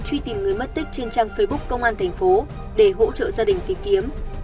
truy tìm người mất tích trên trang facebook công an tp để hỗ trợ gia đình tìm kiếm